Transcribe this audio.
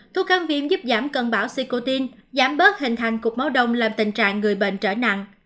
thuốc kháng viêm giúp giảm cân bảo sicotine giảm bớt hình thành cục máu đông làm tình trạng người bệnh trở nặng